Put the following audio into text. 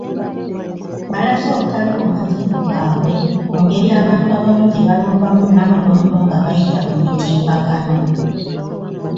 Balaze obutali bumativu bwabwe ku ngeri abantu abamu gyebalumbamu Namulondo nga bayita ku mitimbagano.